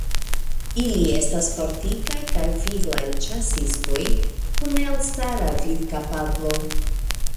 Ili estas fortikaj kaj viglaj ĉasistoj kun elstara vidkapablo.